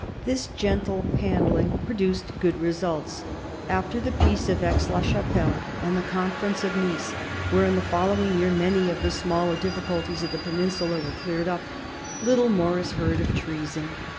This gentle handling produced good results. After the Peace of Aix la Chapelle, and the Conference of Nice, where in the following year many of the smaller difficulties of the peninsula were cleared up, little more is heard of treason.